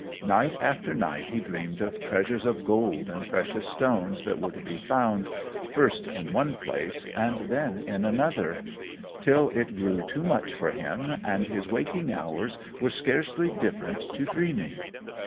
Night after night he dreamed of treasures of gold and precious stones that were to be found, first in one place and then in another, till it grew too much for him, and his waking hours were scarcely different to dreaming.